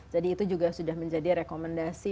jadi itu juga sudah menjadi rekomendasi